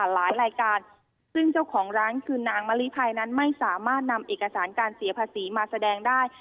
หลายรายการซึ่งเจ้าของร้านคือนางมะลิภัยนั้นไม่สามารถนำเอกสารการเสียภาษีมาแสดงได้